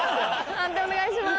判定お願いします。